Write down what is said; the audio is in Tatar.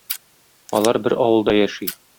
Алар бер авылда яши.